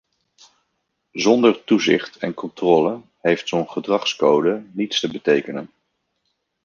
Zonder toezicht en controle heeft zo'n gedragscode niets te betekenen.